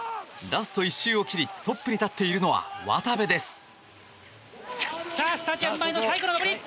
ラスト１周を切りトップに立っているのは渡部です。